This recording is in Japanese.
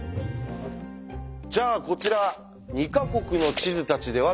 じゃあこちら２か国の地図たちではどうでしょう？